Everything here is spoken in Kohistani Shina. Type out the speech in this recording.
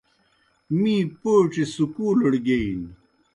می پوڇیْ سکولڑ گیئی نیْ۔